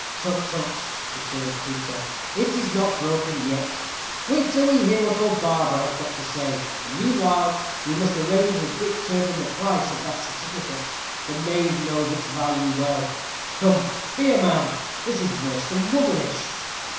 "Tut, tut," returned Peter; "it is not broken yet. Wait till we hear what old Barbara has got to say; and, meanwhile, we must arrange with Dick Turpin the price of that certificate. The knave knows its value well. Come, be a man. This is worse than womanish."